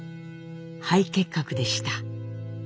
肺結核でした。